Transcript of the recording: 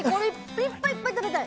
いっぱいいっぱい食べたい。